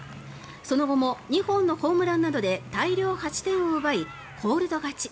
その後も２本のホームランなどで大量８点を奪いコールド勝ち。